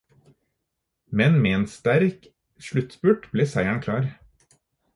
Men med en sterk sluttspurt ble seieren klar.